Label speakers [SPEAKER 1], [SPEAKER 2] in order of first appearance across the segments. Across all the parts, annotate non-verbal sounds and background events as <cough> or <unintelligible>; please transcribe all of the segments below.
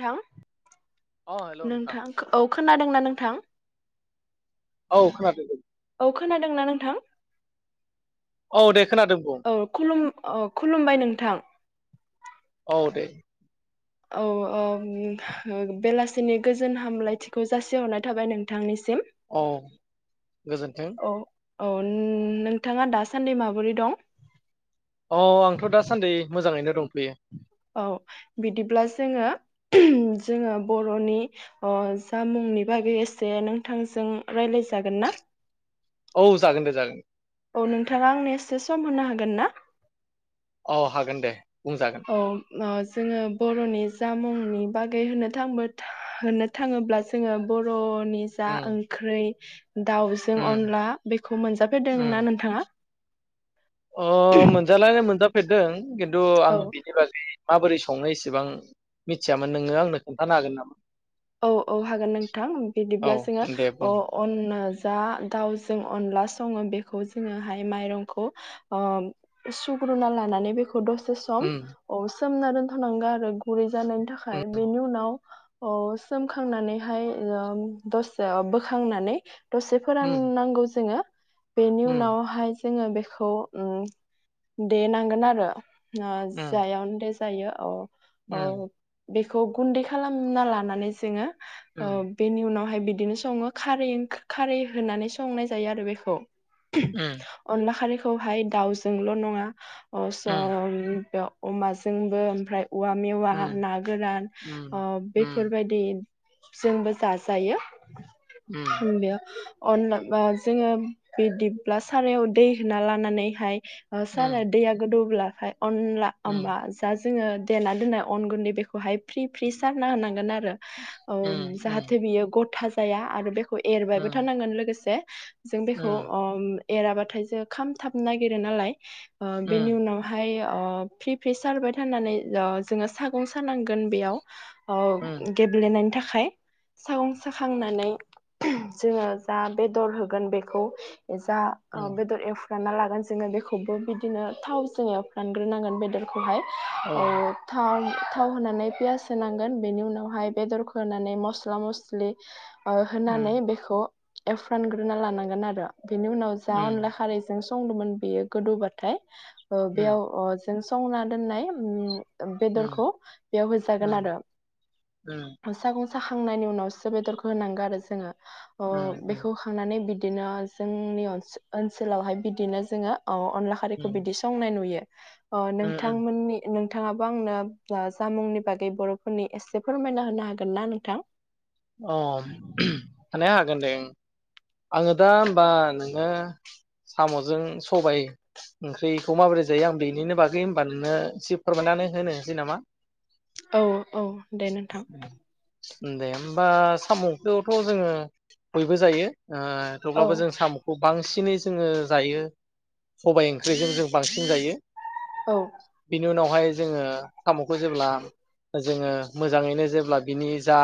[SPEAKER 1] थां
[SPEAKER 2] अ हेल'
[SPEAKER 1] नोंथां औ खोनादोंना नोंथां?
[SPEAKER 2] औ खोनादों।
[SPEAKER 1] खोनादों ना नोंथां?
[SPEAKER 2] औ दे खोनादों बुं।
[SPEAKER 1] अ खुलुमबाय नोंथां।
[SPEAKER 2] औ दे।
[SPEAKER 1] औ ओम बेलासिनि गोजोन हामलायथिखौ जासिहरनाय थाबाय नोंथांनि
[SPEAKER 2] औ गोजोन्थों।
[SPEAKER 1] औ औ नोंथाङा दासान्दि माबोरै दं?
[SPEAKER 2] अ आंथ' दासान्दि मोजाङैनो दंथयो।
[SPEAKER 1] औ बिदिब्ला जोङो जोङो बर'नि ओ जामुंनि बागै एसे नोंथांजों रायलाय जागोन ना?
[SPEAKER 2] औ जागोन दे जागोन।
[SPEAKER 1] औ नोंथाङा आंनो एसे सम होनो हागोन ना?
[SPEAKER 2] औ हागोन दे। बुंजागोन।
[SPEAKER 1] औ ओ जोङो बर'नि जामुंनि बागै होनो थां होनो थाङोब्ला जोङो बर' नि जा
[SPEAKER 2] उम
[SPEAKER 1] ओंख्रै दाउजों
[SPEAKER 2] उम
[SPEAKER 1] अनला बेखौ मोनजाफेरदों ना
[SPEAKER 2] उम
[SPEAKER 1] नोंथाङा?
[SPEAKER 2] अ मोनजानाया मोनजा फेरदों खिन्थु आं
[SPEAKER 1] औ
[SPEAKER 2] बिनि बागै माबोरै संनो इसेबां मिथियामोन नोङो आंनो खोन्थानो हागोन नामा?
[SPEAKER 1] औ औ हागोन नोंथां
[SPEAKER 2] औ
[SPEAKER 1] बिदिब्ला जोङो
[SPEAKER 2] दे बुं
[SPEAKER 1] अ-अना जा दाउजों अनला सं सङो बेखौ जोङोहाय माइरंखौ ओ सुग्रोना लानानै बेखौ दसे सम
[SPEAKER 2] उम
[SPEAKER 1] अ सोमना दोनथ'नांगौ आरो गुरै जानायनि
[SPEAKER 2] उम
[SPEAKER 1] थाखाय बेनि उनाव अ सोमखांनानैहाय दसे बोखांनानै दसे फोराननांगौ जोङो बेनि
[SPEAKER 2] ओम
[SPEAKER 1] उनावहाय जोङो बेखौ ओम देनांगोन आरो आ जाया दे जायो औ औ
[SPEAKER 2] उम
[SPEAKER 1] बे खौ गुन्दै खालामना लानानै जोङो अ
[SPEAKER 2] उम
[SPEAKER 1] बेनि उनाव फाय बिदिनो सङो खारै-खारै होनानै संनाय जायो आरो बेखौ।
[SPEAKER 2] उम
[SPEAKER 1] अनला खारै खौहाय दाउजोंल नङा
[SPEAKER 2] उम
[SPEAKER 1] <unintelligible> अमाजोंबो ओमफ्राय औवा मेवा
[SPEAKER 2] उम
[SPEAKER 1] ना गोरान ओ बेफोरबायदि‌ जोंबो जाजायो।
[SPEAKER 2] उम
[SPEAKER 1] बेयाव अनला बा जोङो बिदिब्ला सारायाव दै होना लानानैहाय ओ
[SPEAKER 2] उम
[SPEAKER 1] सारा दैया गोदौब्ला फाय अनला अमा जा जोङो देना दोननाय अन गुन्दै बेखौहाय फ्रि फ्रि सारना होनांगोन आरो औ
[SPEAKER 2] उम उम
[SPEAKER 1] जाहाथे बियो गथा जा जाया आरो बे खौ एरबायबो
[SPEAKER 2] उम
[SPEAKER 1] थानांगोन लोगोसे जों बेखौ
[SPEAKER 2] उम
[SPEAKER 1] अ एराबाथाय जो खाम थाबनो नागिरो नालाय ओ बेनि
[SPEAKER 2] उम
[SPEAKER 1] उनावहाय ओ फ्रि फ्रि सारबाय थानानै ओ जोङो सागं सानांगोन बेयाव औ
[SPEAKER 2] उम
[SPEAKER 1] गोेनायनि थाखाय सागं साखांनानै जोङो जा बेदर होगोन बेखौ जा ओ
[SPEAKER 2] उम
[SPEAKER 1] बेदर एवफ रानना लागोन जोङो बेखौबो बिदिनो थाव जोङो एवफ्रामग्रोनांगोन बेदरखौहाय औ थाव थाव होनानै पियास होनांगोन बेनि उनाव बेहाय बेदरखौ होनानै मस्ला मस्लि ओ होनानै
[SPEAKER 2] उम
[SPEAKER 1] बेखौ एवफ्रामग्रोना लानांगोन आरो बेनि उनाव जा
[SPEAKER 2] उम
[SPEAKER 1] अनला खारैजों संदोंमोन बेयो गोदौबाथाय ओ
[SPEAKER 2] उम
[SPEAKER 1] बेयाव अ जों संना दोननाय उम
[SPEAKER 2] उम
[SPEAKER 1] बेदरखौ बेयाव
[SPEAKER 2] उम
[SPEAKER 1] होजागोन आरो <unintelligible> साखांनायनि उनावसो बेदरखौ होनांगौ आरो जोङो अ
[SPEAKER 2] उम
[SPEAKER 1] बेखौ खांनानै बिद दिनो जोंनि ओनस ओनसोलावहाय बिदिनो जोङो औ अनला खारिखौ बिदि संनाय नुयो अ
[SPEAKER 2] उम उम
[SPEAKER 1] नोंथांमोननि नों नोंथाङाबो आंनो जामुंनि बागै बर'फोरनि एसे फोरमायना होनो हागोन ना नोंथां
[SPEAKER 2] अ माने हा गोन दे ओं आङो दा होमबा नोङो साम'जों सबाय ओंख्रिखौ माबोरै जायो आं बेनिनो बागै हबा नोंनो एसे फोरमायनानै होनोसै नामा
[SPEAKER 1] औ औ दे नोंथां
[SPEAKER 2] दे होमबा साम'खौथ' जोङो बयबो जायो ओ
[SPEAKER 1] औ
[SPEAKER 2] थेवब्लाबो जों साम'खौ बांसिनै जोङो जायो सबायाइ ओंख्रिजों जों बांसिन जायो
[SPEAKER 1] औ
[SPEAKER 2] बेनि उनावहाय जोङो साम'खौ जेब्ला जोङो मोजाङैनो जेब्ला बिनि जा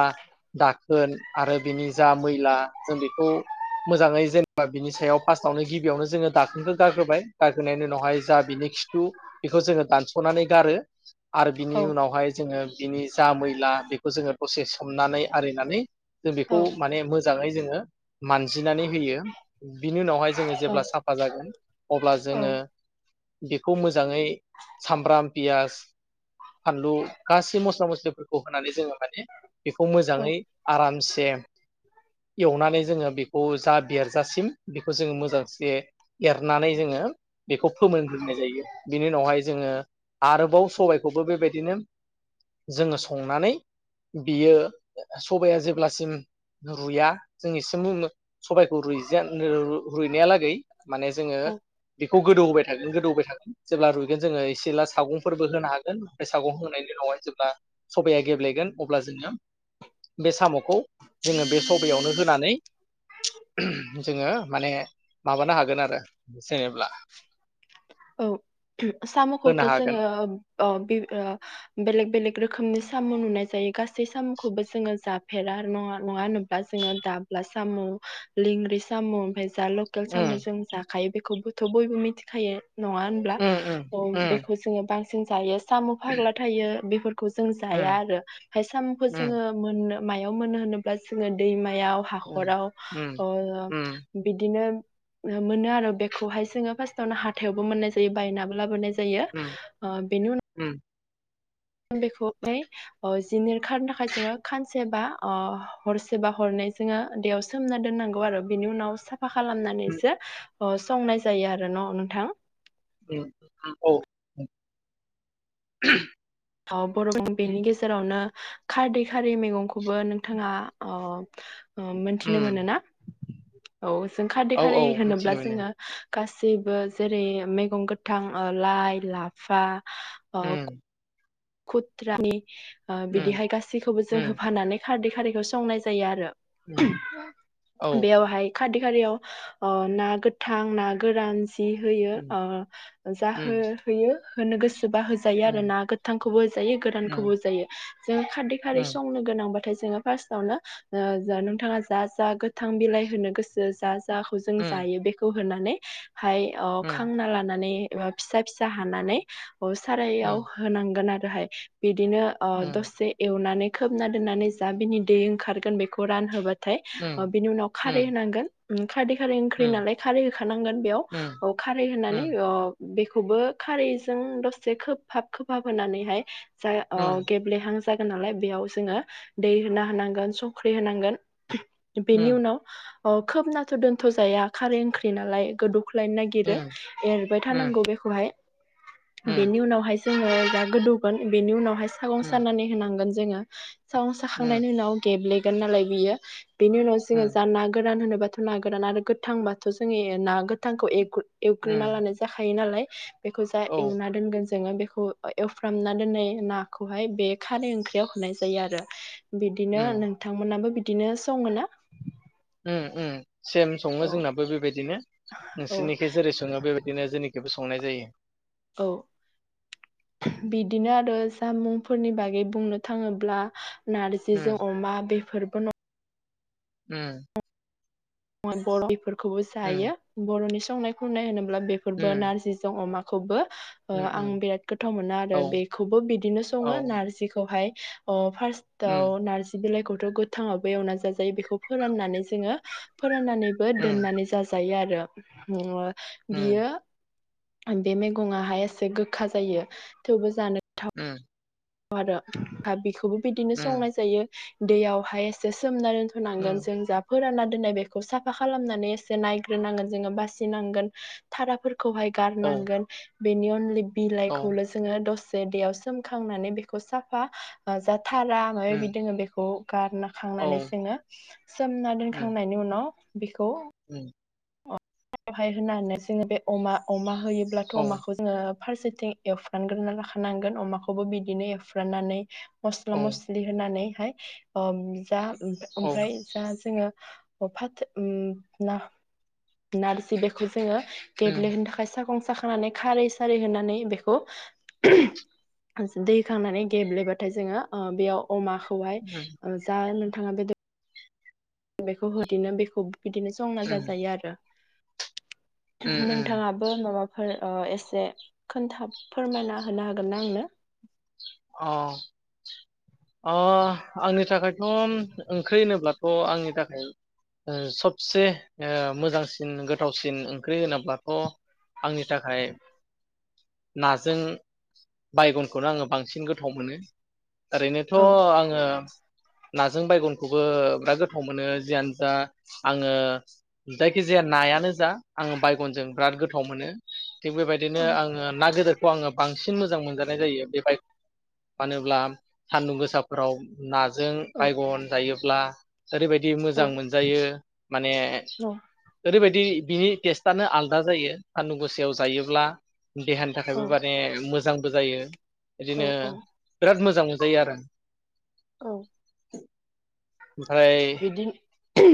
[SPEAKER 2] दाखोन आरो बिनि जा मैला जों बेखौ मोजाङै जेनेबा बिनि सायाव फार्स्टआवनो गिबियावनो जोङो दाखोनखौ गारग्रोबाय गारग्रोनायनि उनावहाय जा बिनि खिथु बेखौ जोङो दानस'नानै गारो आरो बिनि
[SPEAKER 1] औ
[SPEAKER 2] उनावहाय जोङो बिनि जा मैला बेखौ जोङो दसे सोमनानै आरिनानै जों
[SPEAKER 1] औ
[SPEAKER 2] बेखौ माने मोज मोजाङै जोङो मानजिनानै होयो बिनि उनावहाय जोङो
[SPEAKER 1] औ
[SPEAKER 2] जेब्ला साफा जागोन अब्ला जोङो बेखौ मोजाङै सामब्राम पियास <inaudible> फानलु गासै मस्ला मस्लि खौ होनानै जोङो माने बेखौ
[SPEAKER 1] औ
[SPEAKER 2] मोजाङै आरामसे एवनानै जोङो बेखौ जा बेरजासिम बेखौ जोङो मोजांसे एरनानै जोङो बेखौ फोमोनग्रोनाय जायो बिनि उनावहाय जोङो आरोबाव सबायखौबो बेबायदिनो जोङो संनानै बियो सबाया जेब्लासिम रुया जों एसे सबायखौ रुइजानो रु-रुइनाया लागै माने जोङो
[SPEAKER 1] औ
[SPEAKER 2] बे खौ गोदौ होबाय थागोन गोदौ होबाय थागोन जेब्ला रुइगोन जोङो जेला सागंफोरबो होनो हागोन ओमफ्राय सागं होनायनि उनावहाय जेब्ला सबाया गेब्लेगोन अब्ला जोङो। बे साम'खौ जोङो बे सबायावनो होनानै जोङो माने माबानो हागोन आरो जेनेब्ला
[SPEAKER 1] औ साम'खौथ'
[SPEAKER 2] होनो हागोन
[SPEAKER 1] जोङो ओ ओ बेलेग बेलेग रोखोमनि साम' नुनाय जायो गासै साम'खौबो जोङो जाफेरा नङा नङा-होनोब्ला जोङो दाब्ला साम' लेंग्रि साम' <unintelligible>
[SPEAKER 2] उम
[SPEAKER 1] साम' जों जा खायो बेखौबोथ' बयबो मिथिखायो। नङा होनब्ला
[SPEAKER 2] उम उम
[SPEAKER 1] ओ बेखौ जोङो बा सिन जायो साम' फाग्ला थायो बेफोर खौ जों जाया
[SPEAKER 2] उम
[SPEAKER 1] आरो फाय साम'खौ
[SPEAKER 2] उम
[SPEAKER 1] जोङो मोननो मायाव मोनो होनोब्ला जोङो दैमा याव
[SPEAKER 2] उम
[SPEAKER 1] हाखराव
[SPEAKER 2] उम
[SPEAKER 1] ओ
[SPEAKER 2] उम
[SPEAKER 1] बिदिनो मोनो आरो बेखौहाय जोङो फार्स्टावनो हा हाथायावबो मोननाय जायो बायनाबो लाबोनाय जा जायो
[SPEAKER 2] उम
[SPEAKER 1] ओ बेनि उनाव
[SPEAKER 2] उम
[SPEAKER 1] बेखौ ओ जिनिर खारनो थाखाय जोङो खानसे बा ओ हरसेबा हरनै जोङो दैयाव सोमना दोननांगौ आरो बेनि उनाव सा फा
[SPEAKER 2] उम
[SPEAKER 1] खालामनानैसो अ संनाय जायो आरो न' नोंथां
[SPEAKER 2] उम औ
[SPEAKER 1] थ बर' बेनि गेजेरावनो खारदै खारै मैगंखौबो नोंथाङा अ। ओ मोनथिनो
[SPEAKER 2] उम
[SPEAKER 1] मोनोना? औ। जों खारदै
[SPEAKER 2] औ औ
[SPEAKER 1] खारै होनोब्ला
[SPEAKER 2] मिथिनो मोनो
[SPEAKER 1] जोङो गासैबो जेरै मैगं गोथां ओ लाइ लाफा
[SPEAKER 2] उम।
[SPEAKER 1] खुदद्रानि ओ
[SPEAKER 2] उम
[SPEAKER 1] बिदिहाय गासैखौबो जों
[SPEAKER 2] उम
[SPEAKER 1] होफानानै। खारदै खारैखौ संनाय जायो आरो।
[SPEAKER 2] उम औ
[SPEAKER 1] बेवहाय खारदै खारियाव ओ ना गोथां ना गोरान जि होयो
[SPEAKER 2] उम
[SPEAKER 1] जाहो
[SPEAKER 2] उम
[SPEAKER 1] होयो होनो गोसो बा होजायो आरो
[SPEAKER 2] उम
[SPEAKER 1] ना गो थांखौबो जायो
[SPEAKER 2] उम
[SPEAKER 1] गोरानखौबो जायो जोंङो खारदै खारै
[SPEAKER 2] उम
[SPEAKER 1] संनो गोनां थाय जों फासटावनो ओ नोंथाङा जा जा गोथां बिलाइ होनो गोसो जा जाखौ जों
[SPEAKER 2] उम
[SPEAKER 1] जायो बेखौ होनानै हाय
[SPEAKER 2] उम
[SPEAKER 1] खांना लानानै एबा फिसा फिसा हानानै ओ
[SPEAKER 2] उम
[SPEAKER 1] सारायाव होनांगोन आरोहाय बि दिनो ओ दसे एवनानै खोबना दोननानै जा बिनि दै ओंखारगोन बेखौ रान होबा नाथाय
[SPEAKER 2] उम
[SPEAKER 1] ओ बिनि उनाव
[SPEAKER 2] उम
[SPEAKER 1] खारै होनांगोन। उम खारदै खारै
[SPEAKER 2] उम
[SPEAKER 1] ओंख्रि नालाय खारै होखानांगोन
[SPEAKER 2] उम
[SPEAKER 1] बेयाव खारै होनानै ओ बेखौबो खारैजों दसे खोबहाब खोफाबहोनानैहाय ओमफ्राय ओ गेबलेहां जागोन नालाय बेयाव जोंङो दै होना होनांगोन संख्रि होनांगोन। बेनि उनाव अ खोबनाथ' दोनथ' जाया खारै ओंख्रि नालाय गोदौ ख्लायनो नागिरो एरबाय थानांगौ बेखौहाय। बेनि उनावहाय जोंङो जा गोदौगोन बेनि उनावहाय सागं सानानै होनां गोन जोंङो। सागं साखांनायनि उनाव गेब्ले गोननालाय बियो बिनि उनाव जोंङो जाना गोरान होनो <unintelligible> गोरान आरो गोथांबाथ' जों ना गोथांखौ एव एवग्रोना लानाय जाखायो नालाय। <inaudible> बेखौ जा
[SPEAKER 2] औ
[SPEAKER 1] एवना दोनगोन जोंङो बे खौ एवफ्रामना दोनाय नाखौहाय बे खारै ओंख्रियाव होनाय जायो आरो। बिदिनो
[SPEAKER 2] उम
[SPEAKER 1] नोंथांमोनाबो बि दिनो सङोना?
[SPEAKER 2] उम उम। सेम सङो जोंनाबो बेबायदिनो
[SPEAKER 1] औ
[SPEAKER 2] नोंसिनिखै जेरै सङो बेबादिनो जेनिखैबो सं संनाय जायो।
[SPEAKER 1] औ बिदिनो आरो दा मुंफोरनि बागै बुंनो थाङोब्ला
[SPEAKER 2] उम
[SPEAKER 1] नार्जिजों अमा बे फोरबो न'
[SPEAKER 2] उम।
[SPEAKER 1] <unintelligible> खौबो
[SPEAKER 2] उम
[SPEAKER 1] जायो बर'नि संनाय खुरनाय होनो ब्ला बेफोरबो
[SPEAKER 2] उम
[SPEAKER 1] नार्जिजों अमा खौबो ओ
[SPEAKER 2] उम
[SPEAKER 1] आं
[SPEAKER 2] उम
[SPEAKER 1] बिराद गोथाव मोनो आरो
[SPEAKER 2] औ
[SPEAKER 1] बेखौबो बिदिनो
[SPEAKER 2] औ
[SPEAKER 1] सङो नार्जिखौहाय <unintelligible>
[SPEAKER 2] उम
[SPEAKER 1] फार्स्टआव नार्जि बिलाइखौ <unintelligible> गोथाङावबो एवना जाजायो बेखौ फोराननानै जोङो। फोराननानैबो
[SPEAKER 2] उम
[SPEAKER 1] दोननानै जाजायो आ रो <unintelligible>
[SPEAKER 2] उम
[SPEAKER 1] बियो बे मैगङाहाय एसे गोखा जायो थेवबो जानो
[SPEAKER 2] उम।
[SPEAKER 1] आरो दा बेखोबो बिदिनो
[SPEAKER 2] उम
[SPEAKER 1] संनाय जायो। दैयावहाय एसे सोमनानै
[SPEAKER 2] उम
[SPEAKER 1] दोनथ'नांगोन जों जा फोरानना दोननाय बेखौ साफा खालामनानै एसे नायग्रोनांगोन जोङो बासिनांगोन थाराफोर खौहाय
[SPEAKER 2] औ
[SPEAKER 1] गारनांगोन। बेनि अनलि
[SPEAKER 2] औ
[SPEAKER 1] बिलाइखौल' जोङो दस बे दैयाव सोमखांनानै बेखौ साफा जा थारा माबा
[SPEAKER 2] उम
[SPEAKER 1] माबि दोङो बेखौ गारना
[SPEAKER 2] औ
[SPEAKER 1] खांनानै जोङो सोमना
[SPEAKER 2] उम
[SPEAKER 1] दोनखांनायनि उनाव बेखौ
[SPEAKER 2] उम।
[SPEAKER 1] हाय होननानै जोङो बे अमा अमा होयोब्लाथ'
[SPEAKER 2] औ
[SPEAKER 1] अमाखौ जोङो फारसेथिं एवफ्रानग्रोना लाखानांगोन अमाखौबो बिदिनो एवफ्राननानै मस्ला
[SPEAKER 2] औ
[SPEAKER 1] मस्लि होनानै ओम जा।
[SPEAKER 2] औ
[SPEAKER 1] ओमफ्राय जा जोङो बफाद उम ना नारसि बेु जोङो
[SPEAKER 2] उम
[SPEAKER 1] गेब्लेहनो थाखाय सं साखांनानै खारै सारै होनानै बेखौ दैखांनानै गेब्लेबाथाय जोङो बेयाव अमाखौहाय
[SPEAKER 2] उम
[SPEAKER 1] जा थाङा बेद बेखौ होदिनो बेखौ बिदिनो संना
[SPEAKER 2] उम
[SPEAKER 1] जाजायो आरो
[SPEAKER 2] उम उम
[SPEAKER 1] नोंथाङाबो माबाफोर ओ एसे खोन्था फोरमायना होनो हागोन ना आंनो?
[SPEAKER 2] अह अह आंनि थाखायथ' ओंख्रि होनोब्ला थ' आंनि थाखाय सबसे मोजांसिन गो गोथावसिन ओंख्रि होनोब्लाथ' आंनि थाखाय नाजों बायगनखौनो आङो <unintelligible> बांसिन गोथाव मोनो ओरैनोथ'
[SPEAKER 1] औ
[SPEAKER 2] आङो नाजों बायगनखौबो बिराद गोथाव मोनो जियानो जा आङो जायखिजाया नायानो जा आङो बायगनजों बिराद गोथाव मोनो थिग बेबायदिनो
[SPEAKER 1] औ
[SPEAKER 2] आङो ना गदिरखौ आङो बांसिन ऐ मोजां मोनजानाय जायो बे बायगनखौ मानोब्ला सान्दुं गोसाफोराव ना जों
[SPEAKER 1] औ
[SPEAKER 2] बायगन जायोब्ला ओरैबायदि मोजां मोनजायो माने
[SPEAKER 1] औ
[SPEAKER 2] ओरैबायदि बिनि टेस्टआनो आलदा जायो सानदुं गोुसायाव जायोब्ला देहानि
[SPEAKER 1] औ
[SPEAKER 2] थाखायबो माने मोजां। मोजांबो जायो। दिनो
[SPEAKER 1] औ
[SPEAKER 2] बिराद मोजां। मोजां जायो आरो-
[SPEAKER 1] औ।
[SPEAKER 2] <inaudible> ओमफ्राय
[SPEAKER 1] बिदि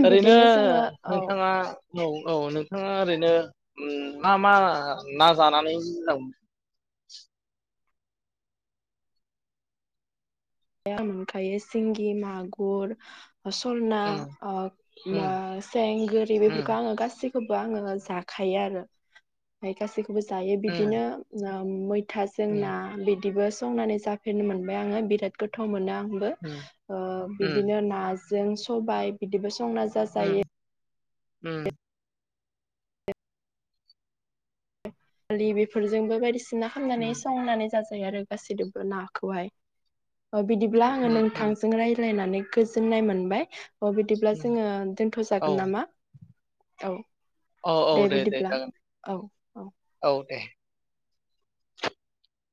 [SPEAKER 2] ओरैनो
[SPEAKER 1] बिदिनो जोङो औ
[SPEAKER 2] नोंथाङा औ औ नोंथाङा ओरैनो मा मा ना जानानै मोजां मोनो।
[SPEAKER 1] खुसिया ओमफायो सिंगि मागुर सलना बा
[SPEAKER 2] उम
[SPEAKER 1] ओ सेंगोरि बेफोरखौ
[SPEAKER 2] उम
[SPEAKER 1] आङो गासि खौबो आङो जाखायो आरो गासैखौ खौबो जायो
[SPEAKER 2] उम
[SPEAKER 1] बिदिनो <unintelligible> मैथाजों
[SPEAKER 2] उम
[SPEAKER 1] ना बिदिबो संनानै जाफेरनो मोनबाय आङो बिराद गोथाव मोनो
[SPEAKER 2] उम उम
[SPEAKER 1] बिदिनो ना जों सबाय बिदिबो संना
[SPEAKER 2] उम
[SPEAKER 1] जाजायो।
[SPEAKER 2] उम।
[SPEAKER 1] दालि बेफोरजोंबो बायदिसिना ना खालामनानै
[SPEAKER 2] उम
[SPEAKER 1] संनानै जाजायो आरो गासैनोबो नाखौहाय बिदिब्ला आङो
[SPEAKER 2] उम उम
[SPEAKER 1] नोंथांजों रायज्लायनानै गोजोननाय मोनबाय। अ बिदिब्ला
[SPEAKER 2] उम
[SPEAKER 1] जोङो
[SPEAKER 2] औ
[SPEAKER 1] दोनथ'जागोन नामा? औ।
[SPEAKER 2] औ औ दे दे जागोन औ दे।